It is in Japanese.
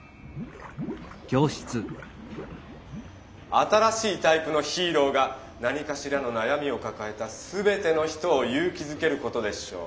「新しいタイプのヒーローが何かしらのなやみをかかえたすべての人をゆう気づけることでしょう。